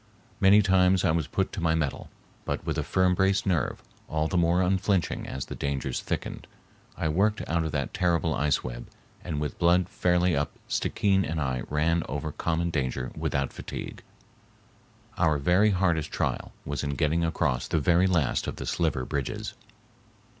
Many times I was put to my mettle, but with a firm braced nerve, all the more unflinching as the dangers thickened, I worked out of that terrible ice web, and with blood fairly up Stickeen and I ran over common danger without fatigue. Our very hardest trial was in getting across the very last of the sliver bridges.